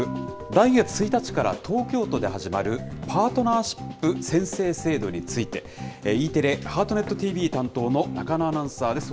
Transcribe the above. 来月１日から東京都で始まるパートナーシップ宣誓制度について、Ｅテレ、ハートネットＴＶ担当の中野アナウンサーです。